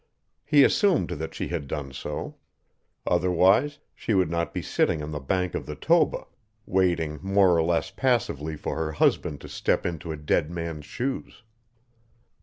He assumed that she had done so. Otherwise she would not be sitting on the bank of the Toba, waiting more or less passively for her husband to step into a dead man's shoes.